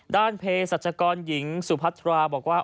ด้านเพศัจกรหญิงสุพัทราบอกว่า